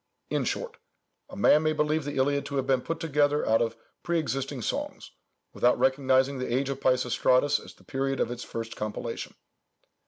In short, "a man may believe the Iliad to have been put together out of pre existing songs, without recognising the age of Peisistratus as the period of its first compilation."